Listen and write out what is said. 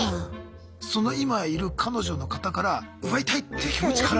その今いる彼女の方から奪いたいっていう気持ちから？